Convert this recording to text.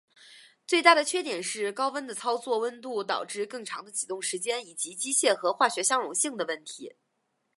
最大的缺点是高温的操作温度导致更长的启动时间以及机械和化学相容性的问题。